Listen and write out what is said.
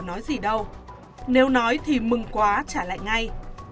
không có nói gì đâu nếu nói thì mừng quá trả lại ngay